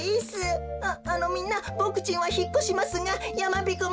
ああのみんなボクちんはひっこしますがやまびこ村。